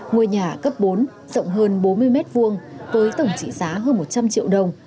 ngôi nhà cấp bốn rộng hơn bốn mươi m hai với tổng trị giá hơn một trăm linh triệu đồng